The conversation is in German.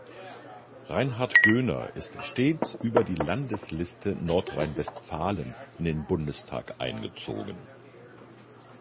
Reinhard Göhner ist stets über die Landesliste Nordrhein-Westfalen in den Bundestag eingezogen.